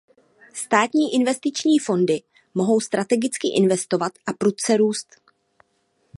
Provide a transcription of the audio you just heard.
Státní investiční fondy mohou strategicky investovat a prudce růst.